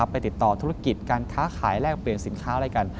ไปติดต่อธุรกิจการค้าขายแลกเปลี่ยนสินค้าอะไรกัน